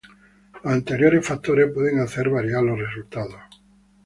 Los anteriores factores pueden hacer variar los resultados.